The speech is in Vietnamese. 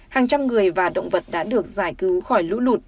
hàng trăm người và động vật đã được giải cứu khỏi lũ lụt